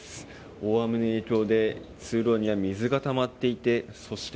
大雨の影響で通路には水がたまっていてそして